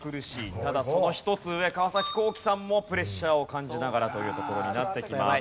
ただその１つ上川皇輝さんもプレッシャーを感じながらというところになってきます。